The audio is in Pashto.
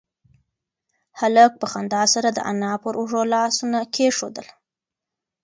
هلک په خندا سره د انا پر اوږو لاسونه کېښودل.